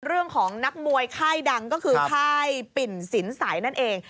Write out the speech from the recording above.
เรื่องของนักมวยค่ายดังก็คือค่ายปิ่นศีลสายนั่นเอง